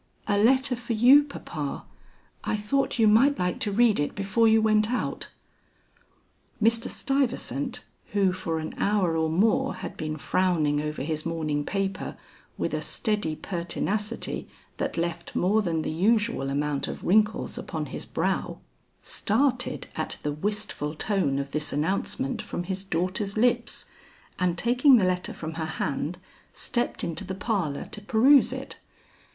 "A letter for you, papa. I thought you might like to read it before you went out." Mr. Stuyvesant, who for an hour or more had been frowning over his morning paper with a steady pertinacity that left more than the usual amount of wrinkles upon his brow, started at the wistful tone of this announcement from his daughter's lips, and taking the letter from her hand, stepped into the parlor to peruse it.